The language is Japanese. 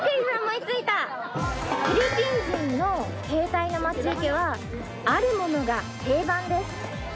フィリピン人の携帯の待ち受けはあるものが定番です